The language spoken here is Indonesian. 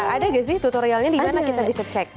ada gak sih tutorialnya dimana kita bisa cek